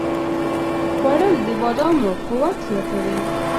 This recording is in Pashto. خوړل د بادامو قوت زیاتوي